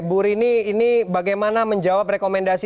bu rini ini bagaimana menjawab rekomendasi